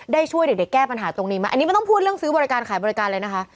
ช่วยเด็กแก้ปัญหาตรงนี้ไหมอันนี้ไม่ต้องพูดเรื่องซื้อบริการขายบริการเลยนะคะ